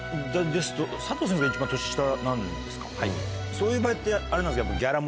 そういう場合あれなんですか？